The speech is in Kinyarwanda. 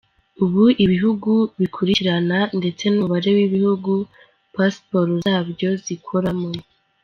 Uko Ibihugu bikurikirana ndetse n’umubare w’ibihugu passports zabyo zikoramo.